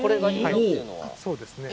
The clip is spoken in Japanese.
そうですね。